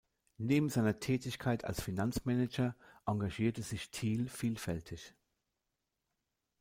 Neben seiner Tätigkeit als Finanzmanager engagierte sich Thiel vielfältig.